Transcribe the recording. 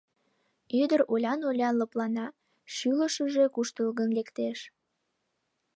Ӱдыр олян-олян лыплана, шӱлышыжӧ куштылгын лектеш.